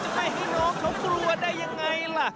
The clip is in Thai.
จะให้น้องข้อมตัวได้ยังไงล่ะ